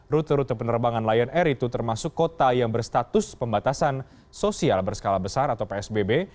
rute rute penerbangan lion air itu termasuk kota yang berstatus pembatasan sosial berskala besar atau psbb